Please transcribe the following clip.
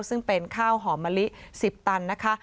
ซึ่งเป็นข้าวหอมมะลิ๑๐ตันนะคะ